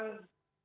harus dikaji ulang